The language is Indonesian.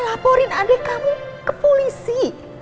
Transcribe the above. kamu mau laporin adek kamu ke polisi